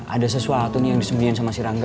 ada sesuatu nih yang disembunyiin sama si rangga